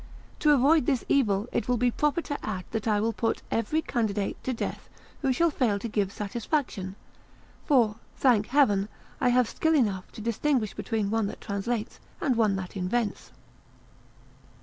To avoid this evil it will be proper to add that I will put every candidate to death who shall fail to give satisfaction; for, thank Heaven! I have skill enough to distinguish between one that translates and one that invents."